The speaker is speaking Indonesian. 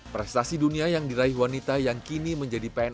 prestasi dunia yang diraih wanita yang kini menjadi pns